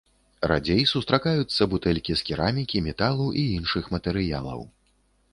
Радзей сустракаюцца бутэлькі з керамікі, металу і іншых матэрыялаў.